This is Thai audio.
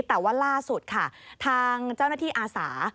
แต่ว่าล่าสุดค่ะทางเจ้าหน้าที่อาสา